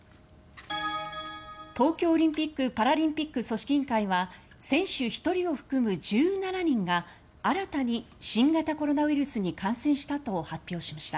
東京オリンピック・パラリンピック組織委員会は選手１人を含む１７人が新たに新型コロナウイルスに感染したと発表しました。